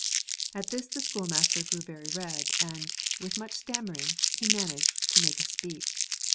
At this the schoolmaster grew very red, and, with much stammering, he managed to make a speech.